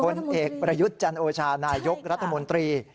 นายกรัฐมนตรีใช่ค่ะนายกรัฐมนตรี